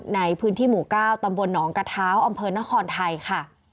ในพื้นที่หมูก้าวตำบลหนองกระท้าวอ่อมเพิร์ทนครไทยค่ะ